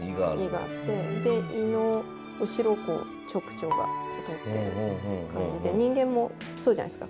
胃があって胃の後ろを直腸が通ってる感じで人間もそうじゃないですか。